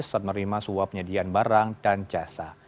saat menerima suap penyediaan barang dan jasa